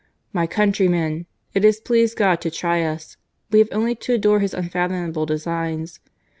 143 " My countrymen ! It has pleased God to try us. We have only to adore His unfathomable designs.